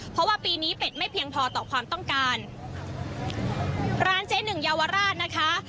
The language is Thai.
เพราะว่าปีนี้เป็ดไม่เพียงพอต่อความต้องการร้านเจ๊หนึ่งเยาวราชนะคะ